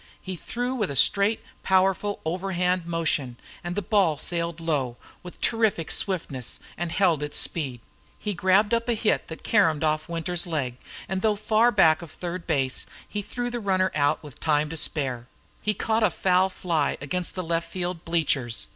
He threw with a straight, powerful overhand motion and the ball sailed low, with terrific swiftness, and held its speed. He grabbed up a hit that caromed off Winter's leg, and though far back of third base, threw the runner out with time to spare. He caught a foul fly against the left field bleachers.